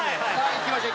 いきましょう。